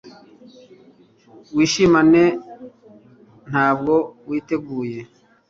wishimane? ntabwo witeguye